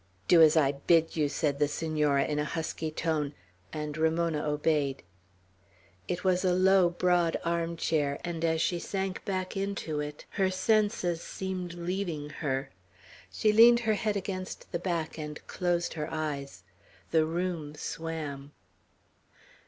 "Do as I bid you." said the Senora, in a husky tone; and Ramona obeyed. It was a low, broad armchair, and as she sank back into it, her senses seemed leaving her. She leaned her head against the back and closed her eyes. The room swam.